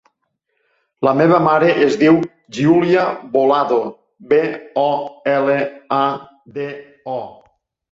La meva mare es diu Giulia Bolado: be, o, ela, a, de, o.